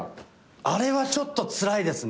あれはちょっとつらいですね。